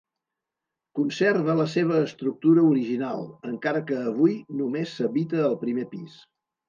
Conserva la seva estructura original, encara que avui només s'habita el primer pis.